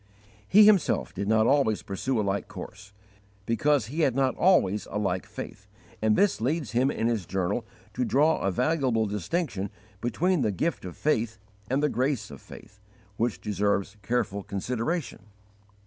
He himself did not always pursue a like course, because he had not always a like faith, and this leads him in his journal to draw a valuable distinction between the gift of faith and the grace of faith, which deserves careful consideration.